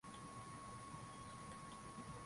Vidole zake ni chafu.